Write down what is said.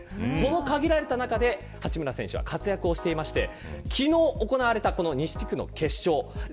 その限られた中で八村選手は活躍をしていまして昨日行われた西地区の決勝。